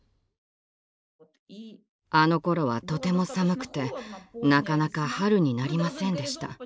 あのころはとても寒くてなかなか春になりませんでした。